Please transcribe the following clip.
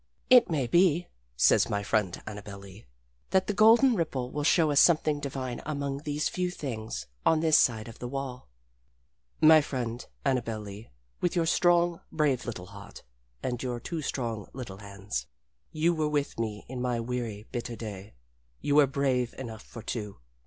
"It may be," says my friend Annabel Lee, "that the golden ripple will show us something divine among these few things on this side of the wall." _My friend, Annabel Lee with your strong, brave little heart and your two strong little hands, you were with me in my weary, bitter day. You were brave enough for two.